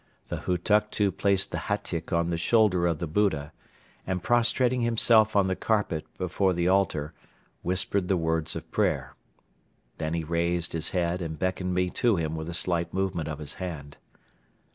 The Hutuktu placed the hatyk on the shoulder of the Buddha and, prostrating himself on the carpet before the altar, whispered the words of prayer. Then he raised his head and beckoned me to him with a slight movement of his hand.